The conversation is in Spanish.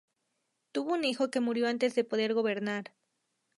Tuvo un hijo que murió antes de poder gobernar.